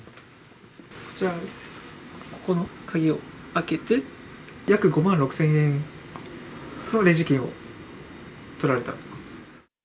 こちら、ここの鍵を開けて、約５万６０００円のレジ金を取られたと。